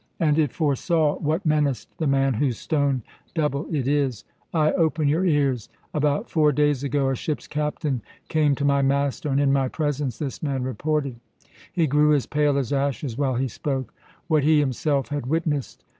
And it foresaw what menaced the man whose stone double it is. Ay, open your ears! About four days ago a ship's captain came to my master and in my presence this man reported he grew as pale as ashes while he spoke what he himself had witnessed.